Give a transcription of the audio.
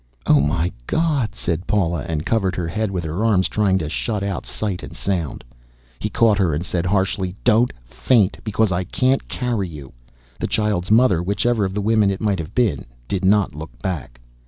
"Oh my God," said Paula, and covered her head with her arms, trying to shut out sight and sound. He caught her and said harshly, "Don't faint, because I can't carry you." The child's mother, whichever of the women it might have been, did not look back.